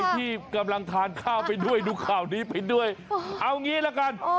ที่กำลังทานข้าวไปด้วยดูข่าวนี้ไปด้วยเอางี้ละกัน